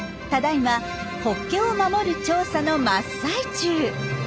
ただいまホッケを守る調査の真っ最中。